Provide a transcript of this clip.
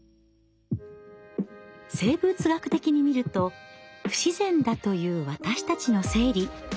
生物学的に見ると不自然だという私たちの生理。